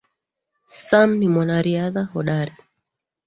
Sam ni mwanariadha hodari